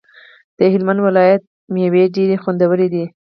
د هلمند ولایت ميوی ډيری خوندوری دی